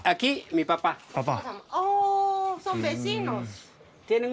パパ。